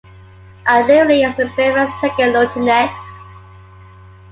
Artillery as a brevet second lieutenant.